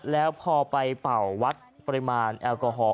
แล้วพอไปเป่าวัดปริมาณแอลกอฮอล